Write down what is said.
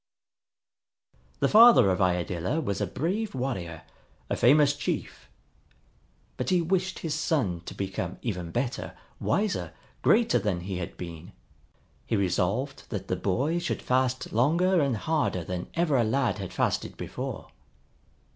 The father of Iadilla was a brave warrior, a famous chief. But he wished his son to become even better, wiser, greater than he had been. He resolved that the boy should fast longer and harder than ever a lad had fasted before.